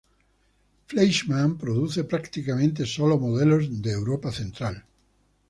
Fleischmann produce prácticamente solo modelos de Europa Central.